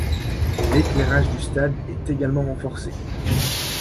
L'éclairage du stade est également renforcé.